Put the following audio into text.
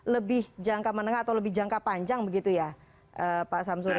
lebih jangka menengah atau lebih jangka panjang begitu ya pak samsuri